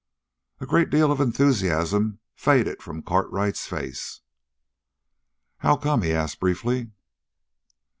A great deal of enthusiasm faded from Cartwright's face. "How come?" he asked briefly.